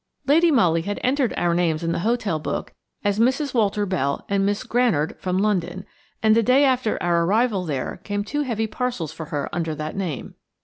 Lady Molly had entered our names in the hotel book as Mrs. Walter Bell and Miss Granard from London; and the day after our arrival there came two heavy parcels for her under that name.